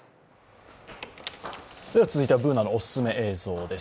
続いてはＢｏｏｎａのお勧め映像です